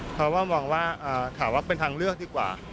เพราะว่ามองว่าถามว่าเป็นทางเลือกดีกว่า